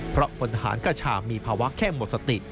เพราะพลทหารกระชามีภาวะแค่หมดสติ